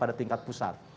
dari tingkat pusat